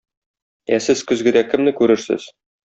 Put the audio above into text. Ә сез көзгедә кемне күрерсез?